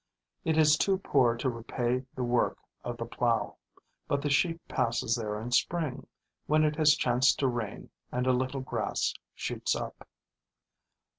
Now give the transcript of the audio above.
It is too poor to repay the work of the plow; but the sheep passes there in spring, when it has chanced to rain and a little grass shoots up.